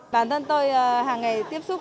bản thân tôi hàng ngày tiếp tục